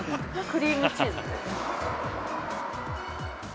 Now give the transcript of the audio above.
◆クリームチーズです。